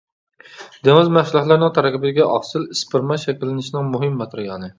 دېڭىز مەھسۇلاتلىرىنىڭ تەركىبىدىكى ئاقسىل ئىسپېرما شەكىللىنىشنىڭ مۇھىم ماتېرىيالى.